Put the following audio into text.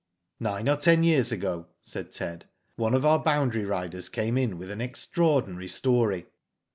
" Nine or ten years ago," ^aid Ted, one of our boundary riders came in with an extraordinary story.